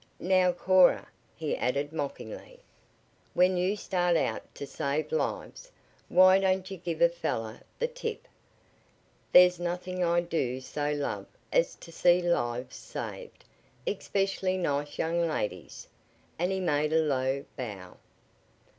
"Now, Cora," he added mockingly, "when you start out to save lives, why don't you give a fellow the tip? There's nothing I do so love as to see lives saved especially nice young ladies," and he made a low bow.